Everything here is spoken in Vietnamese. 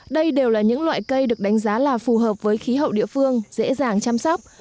đây đều là những loại cây được đánh giá là phù hợp với khí hậu địa phương dễ dàng chăm sóc